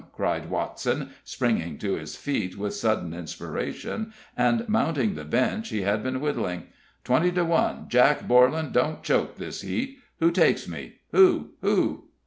cried Watson, springing to his feet with sudden inspiration, and mounting the bench he had been whittling. "Twenty to one Jack Borlan don't choke this heat! Who takes me? who? who?"